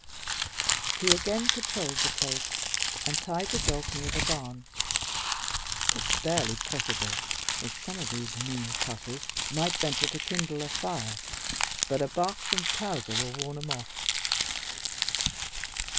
He again patrolled the place and tied the dog near the barn. "It's barely possible that some of these mean cusses might venture to kindle a fire, but a bark from Towser will warn 'em off.